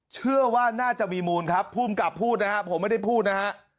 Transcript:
เชื่อว่าน่าจะมีมูลครับภูมิกับพูดนะครับผมไม่ได้พูดนะฮะ